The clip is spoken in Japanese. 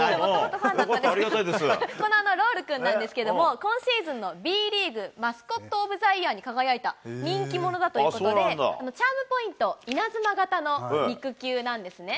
このロウルくんなんですけども、今シーズンのＢリーグマスコット・オブ・ザ・イヤーに輝いた人気者だということで、チャームポイント、稲妻型の肉球なんですね。